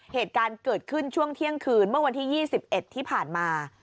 เหตุการณ์เกิดขึ้นช่วงเที่ยงคืนเมื่อวันที่๒๑ที่ผ่านมา